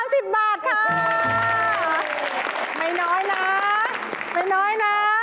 ไม่น้อยนะ